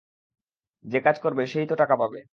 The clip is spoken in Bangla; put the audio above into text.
যে কাজ করবে, সেই তো টাকা পাবে।